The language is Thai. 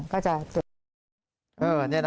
ก็จะเกิด